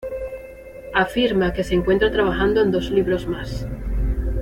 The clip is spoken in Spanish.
Afirma que se encuentra trabajando en dos libros más.